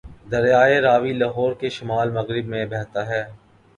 دریائے راوی لاہور کے شمال مغرب میں بہتا ہے